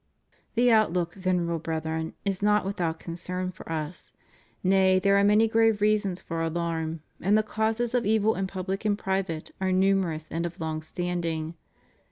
The outlook, Venerable Brethren, is not without concern for us; nay, there are many grave reasons for alarm, and the causes of evil in public and private are numerous and of long standing.